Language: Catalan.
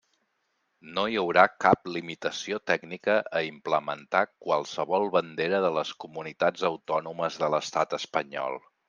No hi haurà cap limitació tècnica a implementar qualsevol bandera de les comunitats autònomes de l'estat espanyol.